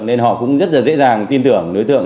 nên họ cũng rất dễ dàng tin tưởng đối tượng